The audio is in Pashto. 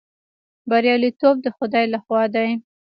بریالیتوب د خدای لخوا دی